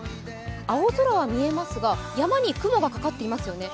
青空は見えますが山に雲がかかっていますよね。